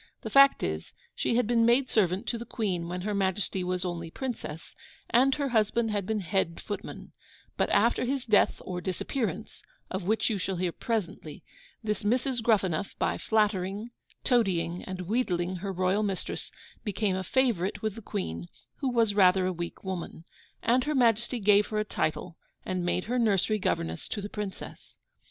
The fact is, she had been maid servant to the Queen when Her Majesty was only Princess, and her husband had been head footman; but after his death or DISAPPEARANCE, of which you shall hear presently, this Mrs. Gruffanuff, by flattering, toadying, and wheedling her royal mistress, became a favourite with the Queen (who was rather a weak woman), and Her Majesty gave her a title, and made her nursery governess to the Princess.